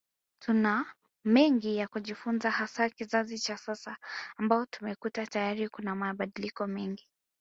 Tuna mengi ya kujifunza hasa kizazi cha sasa ambao tumekuta tayari kuna mabadiliko mengi